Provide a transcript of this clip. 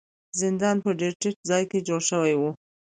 زندان په ډیر ټیټ ځای کې جوړ شوی و.